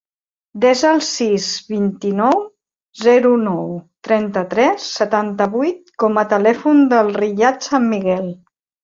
Desa el sis, vint-i-nou, zero, nou, trenta-tres, setanta-vuit com a telèfon del Riyad San Miguel.